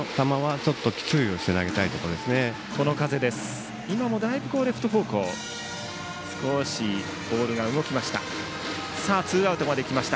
少しボールが動きました。